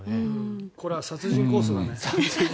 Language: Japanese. これは殺人コースだね。